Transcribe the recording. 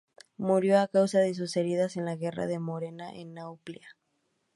Murió a causa de sus heridas en la Guerra de Morea, en Nauplia.